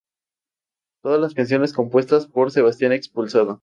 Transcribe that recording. Todas las canciones compuestas por Sebastián Expulsado.